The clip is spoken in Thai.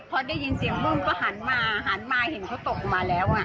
พอได้ยินเสียงบุ้มก็หันมาหันมาเห็นเขาตกลงมาแล้ว